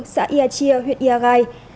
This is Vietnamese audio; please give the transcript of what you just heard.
xã ia chi huyện ia gai